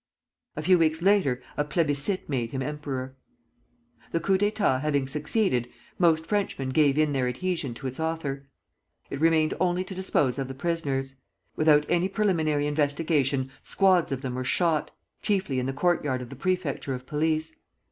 A few weeks later a plébiscite made him emperor. The coup d'état having succeeded, most Frenchmen gave in their adhesion to its author. It remained only to dispose of the prisoners. Without any preliminary investigation, squads of them were shot, chiefly in the court yard of the Prefecture of Police.